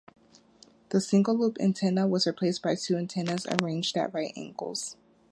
The single loop antenna was replaced by two antennas, arranged at right angles.